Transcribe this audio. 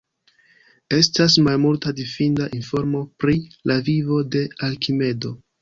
Estas malmulta fidinda informo pri la vivo de Arkimedo.